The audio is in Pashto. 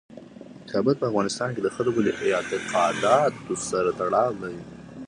کابل په افغانستان کې د خلکو د اعتقاداتو سره تړاو لري.